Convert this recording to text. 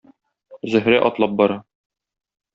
Зөһрә атлап бара.